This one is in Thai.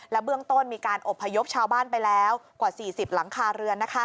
เบื้องต้นมีการอบพยพชาวบ้านไปแล้วกว่า๔๐หลังคาเรือน